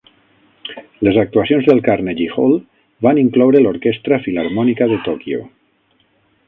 Les actuacions del Carnegie Hall van incloure l'Orquestra Filharmònica de Tòquio.